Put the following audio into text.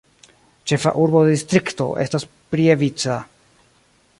Ĉefa urbo de distrikto estas Prievidza.